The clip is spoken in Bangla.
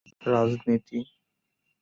রাজনীতি